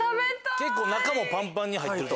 結構中もパンパンに入ってる。